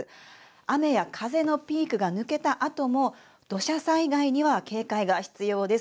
雨や風のピークが抜けたあとも土砂災害には警戒が必要です。